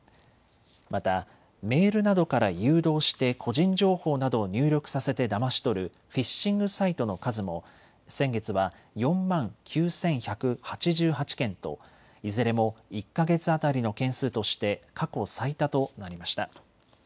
またメールなどから誘導して個人情報などを入力させてだまし取るフィッシングサイトの数も先月は４万９１８８件といずれも１か月当たりの件数として過去最多となりました。